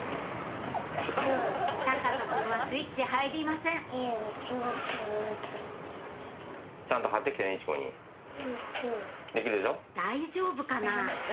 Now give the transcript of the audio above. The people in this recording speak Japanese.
隆翔くんはスイッチ入りません大丈夫かな？